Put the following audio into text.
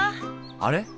あれ？